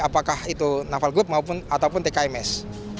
apakah itu naval group ataupun tkms